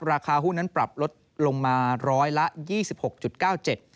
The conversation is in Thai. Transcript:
ราคาหุ้นนั้นปรับลดลงมาร้อยละ๒๖๙๗บาท